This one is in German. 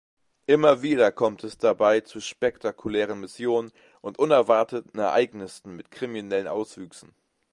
Immer wieder kommt es dabei zu spektakulären Missionen und unerwarteten Ereignissen mit kriminellen Auswüchsen.